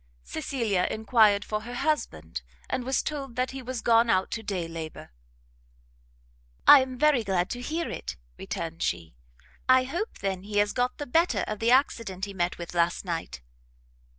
Cecilia enquired for her husband, and was told that he was gone out to day labour. "I am very glad to hear it," returned she; "I hope then he has got the better of the accident he met with last night?"